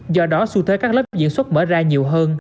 do đó xu thế các lớp diễn xuất mở ra nhiều hơn